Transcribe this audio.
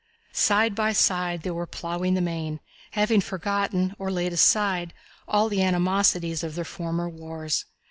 Side by side they were ploughing the main, having forgotten, or laid aside, all the animosities of their former wars.